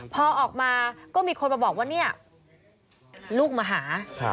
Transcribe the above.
พอออกมาก็มีคนมาบอกว่าเนี่ยลูกมาหา